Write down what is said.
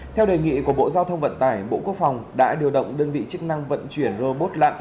theo đề nghị của bộ giao thông vận tải bộ quốc phòng đã điều động đơn vị chức năng vận chuyển robot lặn